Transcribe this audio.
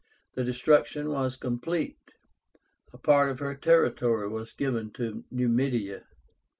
The destruction was complete. A part of her territory was given to Numidia.